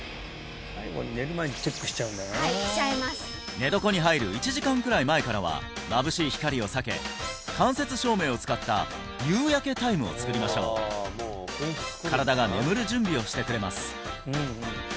寝床に入る１時間くらい前からはまぶしい光を避け間接照明を使った夕焼けタイムを作りましょう身体が眠る準備をしてくれます